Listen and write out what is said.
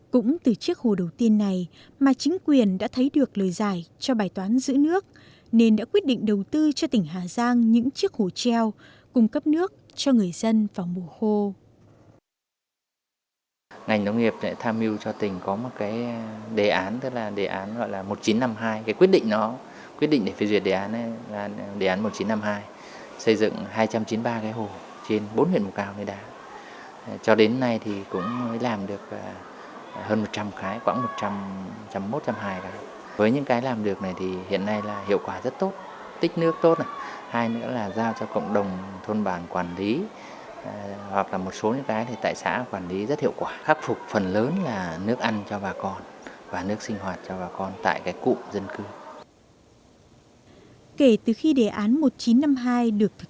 cũng từ chiếc hồ đầu tiên này mà chính quyền đã thấy được lời giải cho bài toán giữ nước nên đã quyết định đầu tư cho tỉnh hà giang những chiếc hồ treo cung cấp nước cho người dân vào mùa khô